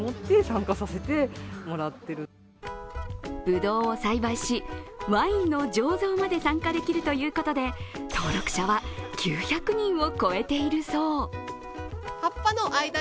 ぶどうを栽培し、ワインの醸造まで参加できるということで登録者は９００人を超えているそう。